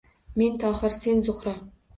Men — Tohir, sen — Zuhro